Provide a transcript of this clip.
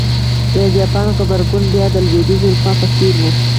د جاپان غبرګون بیا د لوېدیځې اروپا په څېر و.